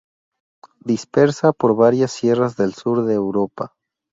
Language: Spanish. Dispersa por varias sierras del sur de Europa.